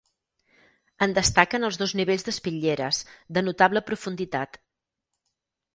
En destaquen els dos nivells d'espitlleres, de notable profunditat.